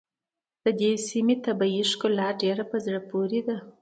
د دې سيمې طبیعي ښکلا ډېره په زړه پورې ده.